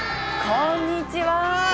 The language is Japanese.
こんにちは。